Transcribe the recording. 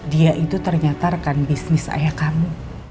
dia itu ternyata rekan bisnis ayah kamu